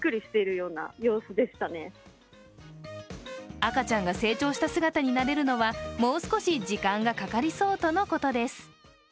赤ちゃんが成長した姿に慣れるのはもう少し時間がかかりそうとのことです。